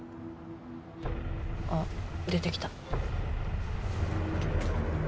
あっ出てきた。